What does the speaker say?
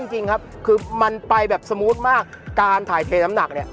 จริงครับคือมันไปแบบสมูทมากการถ่ายเทน้ำหนักเนี่ย